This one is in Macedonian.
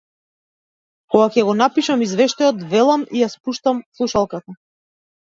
Кога ќе го напишам извештајот, велам и ја спуштам слушалката.